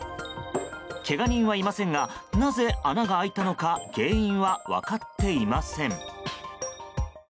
けが人はいませんがなぜ穴が開いたのか原因は分かっていません。